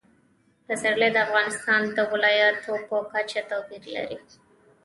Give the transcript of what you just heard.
پسرلی د افغانستان د ولایاتو په کچه توپیر لري.